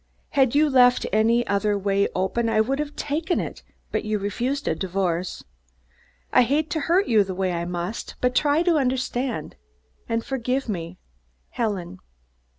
"Had you left any other way open, I would have taken it, but you refused a divorce. I hate to hurt you the way I must, but try to understand and forgive me. "Helen."